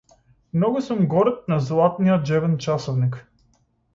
Многу сум горд на златниот џебен часовник.